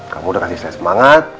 kamu udah kasih saya semangat